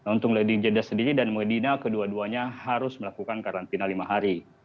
untuk landing jeddah sendiri dan medina kedua duanya harus melakukan karantina lima hari